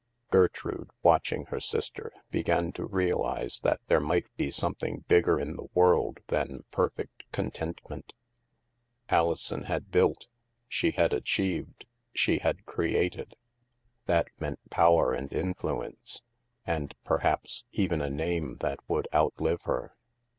Gertrude, watching her sister, began to realize that there might be something bigger in the world than perfect contentment. Alison had built, she had achieved, she had created. That meant power and influence and, perhaps, even a name that would out live her.